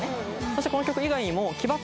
そしてこの曲以外にも。